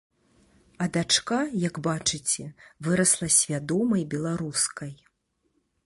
А дачка, як бачыце, вырасла свядомай беларускай.